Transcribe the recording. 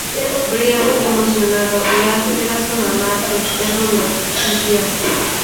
Brian, emocionado, le hace ver a su mamá que el perro los siguió.